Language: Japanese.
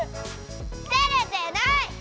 てれてない！